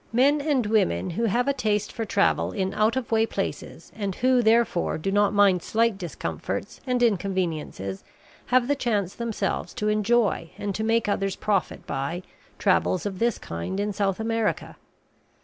Men and women who have a taste for travel in out of way places and who, therefore, do not mind slight discomforts and inconveniences have the chance themselves to enjoy, and to make others profit by, travels of this kind in South America.